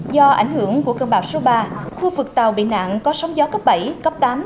do ảnh hưởng của cơn bão số ba khu vực tàu bị nạn có sóng gió cấp bảy cấp tám